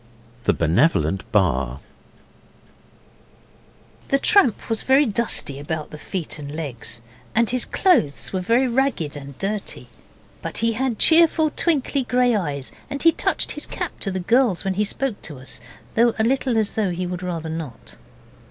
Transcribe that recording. THE BENEVOLENT BAR The tramp was very dusty about the feet and legs, and his clothes were very ragged and dirty, but he had cheerful twinkly grey eyes, and he touched his cap to the girls when he spoke to us, though a little as though he would rather not.